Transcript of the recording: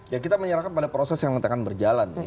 ya kita menyerahkan pada proses yang sedang berjalan